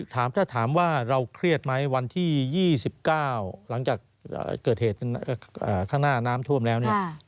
ถ้าถามว่าเราเครียดไหมวันที่๒๙หลังจากเกิดเหตุข้างหน้าน้ำท่วมแล้วเนี่ย